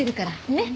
ねっ。